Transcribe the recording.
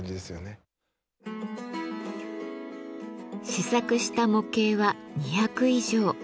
試作した模型は２００以上。